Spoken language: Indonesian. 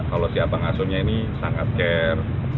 kalau si abang asuhnya ini sangat care